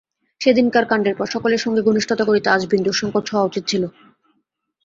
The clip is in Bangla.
সেদিনকার কাণ্ডের পর সকলের সঙ্গে ঘনিষ্ঠতা করিতে আজ বিন্দুর সঙ্কোচ হওয়া উচিত ছিল।